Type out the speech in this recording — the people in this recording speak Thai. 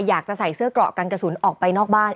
อยากจะใส่เสื้อเกราะกันกระสุนออกไปนอกบ้าน